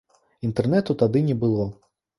Інтэрнэту тады не было.